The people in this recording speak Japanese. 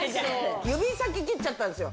指先切っちゃったんですよ。